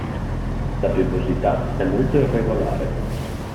La piovosità è molto irregolare.